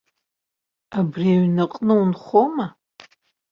Абри аҩнаҟны унхома?